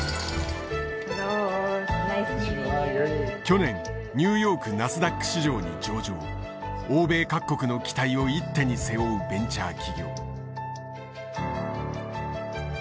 去年ニューヨークナスダック市場に上場欧米各国の期待を一手に背負うベンチャー企業。